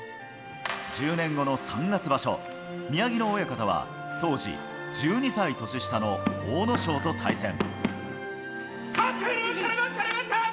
１０年後の３月場所、宮城野親方は、当時、１２歳年下の阿武咲と対戦。